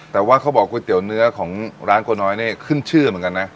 แต่ว่าเขาบอกก๋วยเตี๋ยวเนื้อของร้านโกน้อยนี่ขึ้นชื่อเหมือนกันนะ